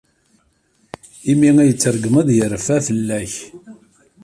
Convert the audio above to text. Imi ay t-tregmeḍ, yerfa fell-ak.